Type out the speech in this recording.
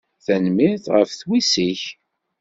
Tanemmirt ɣef twissi-k.